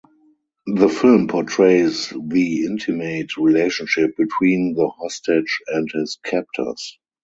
The film portrays the "intimate" relationship between the hostage and his captors.